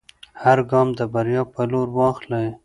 هر ګام د بریا په لور واخلئ.